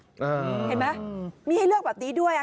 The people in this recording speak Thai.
เห็นไหมมีให้เลือกแบบนี้ด้วยค่ะ